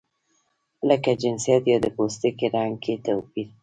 لکه جنسیت یا د پوستکي رنګ کې توپیر.